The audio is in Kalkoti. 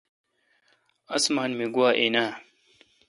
اسمان می آگو این اے۔